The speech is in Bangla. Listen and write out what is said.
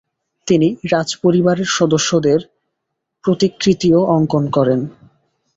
তিনি রাজপরিবারের সসস্যদের প্রতিকৃতিও অঙ্কন করেন।